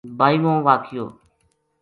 بائیوں واقعو